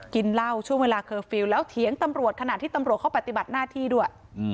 กินเหล้าช่วงเวลาเคอร์ฟิลล์แล้วเถียงตำรวจขณะที่ตำรวจเขาปฏิบัติหน้าที่ด้วย